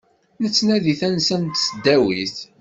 Nettnadi tansa n tesdawit.